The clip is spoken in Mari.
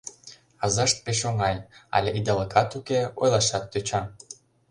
Азашт пеш оҥай: але идалыкат уке, ойлашат тӧча...